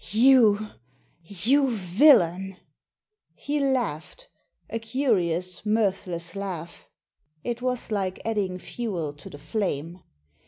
"You — you villain!" He laughed— a curious, mirthless laugh. It was like adding fuel to the flame.